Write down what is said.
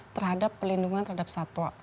terhadap pelindungan terhadap satwa